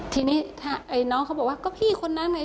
ทีนี้ถ้าไอ้น้องเขาบอกว่าก็พี่คนนั้นไง